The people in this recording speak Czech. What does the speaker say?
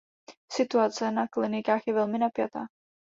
Situace na klinikách je velmi napjatá.